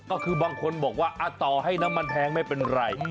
ก็คือบางคนบอกว่าต่อให้น้ำมันแพงไม่เป็นไร